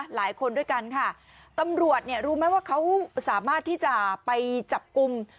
หลายคนด้วยกันค่ะตำรวจเนี่ยรู้ไหมว่าเขาสามารถที่จะไปจับกลุ่ม